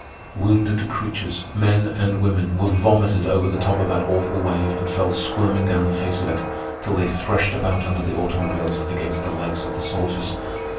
Wounded creatures, men and women, were vomited over the top of that awful wave and fell squirming down the face of it till they threshed about under the automobiles and against the legs of the soldiers.